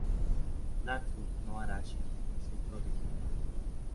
Natsu no Arashi es otro de sus mangas.